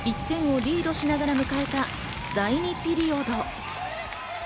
１点をリードしながら迎えた第２ピリオド。